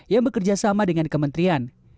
yang bekerja sama dengan kementerian